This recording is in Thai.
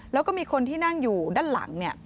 แล้วก็มีคนที่นั่งอยู่ด้านหลังเนี่ย